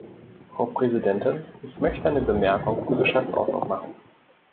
Frau Präsidentin, ich möchte eine Bemerkung zur Geschäftsordnung machen.